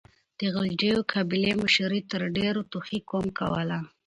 د غلجيو قبيلې مشري تر ډيرو توخي قوم کوله.